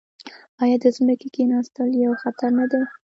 آیا د ځمکې کیناستل یو خطر نه دی؟